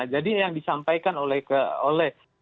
jadi yang disampaikan oleh kpu